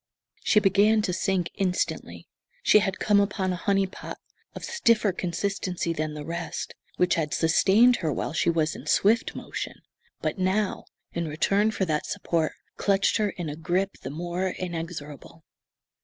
She began to sink instantly. She had come upon a "honey pot" of stiffer consistency than the rest, which had sustained her while she was in swift motion, but now, in return for that support, clutched her in a grip the more inexorable.